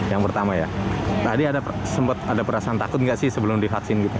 yang pertama ya tadi ada sempat ada perasaan takut nggak sih sebelum divaksin gitu